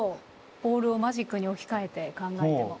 ボールをマジックに置き換えて考えても。